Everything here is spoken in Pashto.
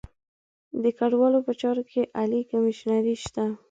د کډوالو په چارو کې عالي کمیشنري شته.